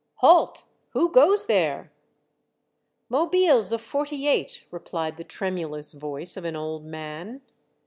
" Halt ! who goes there ?"'' Mobiles of '48," rephed the tremulous voice of an old man.